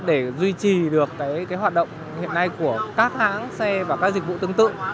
để duy trì được hoạt động hiện nay của các hãng xe và các dịch vụ tương tự